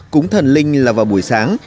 cúng thần linh là vào buổi sáng